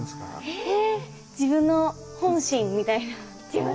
え自分の本心みたいな。